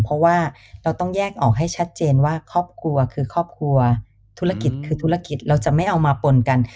เพราะว่าเราต้องแยกออกให้ชัดเจนว่าครอบครัวคือครอบครัวธุรกิจคือธุรกิจเราจะไม่เอามาปนกัน